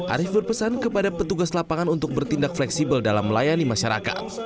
arief berpesan kepada petugas lapangan untuk bertindak fleksibel dalam melayani masyarakat